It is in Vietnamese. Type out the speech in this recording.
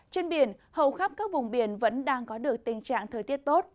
trên biển hầu khắp các vùng biển vẫn đang có được tình trạng thời tiết tốt